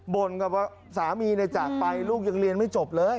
กับว่าสามีจากไปลูกยังเรียนไม่จบเลย